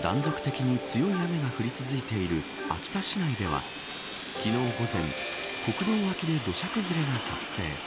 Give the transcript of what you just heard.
断続的に強い雨が降り続いている秋田市内では昨日午前国道脇で土砂崩れが発生。